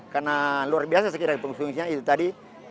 dan luar biasa sekiranya fungsinya itu tadi